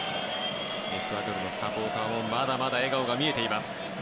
エクアドルのサポーターもまだまだ笑顔が見えています。